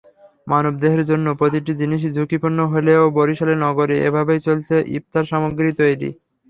মানবদেহের জন্য প্রতিটি জিনিসই ঝুঁকিপূর্ণ হলেও বরিশাল নগরে এভাবেই চলছে ইফতারসামগ্রী তৈরি।